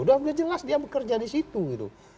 udah jelas dia bekerja di situ gitu